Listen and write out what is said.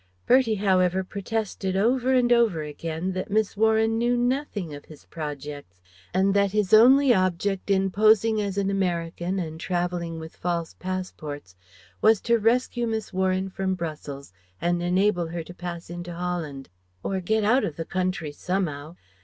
Bertie however protested, over and over again, that Miss Warren knew nothing of his projects, and that his only object in posing as an American and travelling with false passports was to rescue Miss Warren from Brussels and enable her to pass into Holland, "or get out of the country some 'ow."